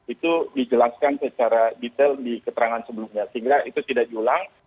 itu dijelaskan secara detail di keterangan sebelumnya sehingga itu tidak diulang